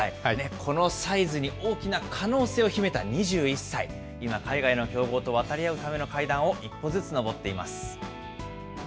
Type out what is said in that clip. このサイズに大きな可能性を秘めた２１歳、今、海外の強豪と渡り合うための階段を一歩ずつ登っています。